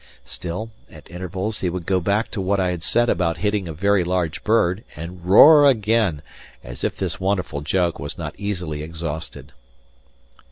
Still, at intervals he would go back to what I had said about hitting a very big bird, and roar again, as if this wonderful joke was not easily exhausted.